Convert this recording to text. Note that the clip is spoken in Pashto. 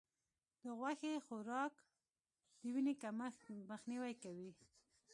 د غوښې خوراک د وینې کمښت مخنیوی کوي.